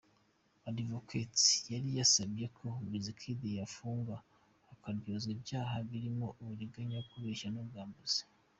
Advocates’, yari yasabye ko Wizkid yafungwa akaryozwa ibyaha birimo uburiganya, kubeshya n’ubwambuzi.